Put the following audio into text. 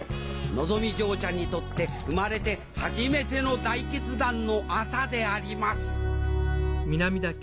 のぞみ嬢ちゃんにとって生まれて初めての大決断の朝であります